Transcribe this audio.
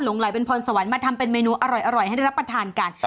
ไหลเป็นพรสวรรค์มาทำเป็นเมนูอร่อยให้ได้รับประทานกัน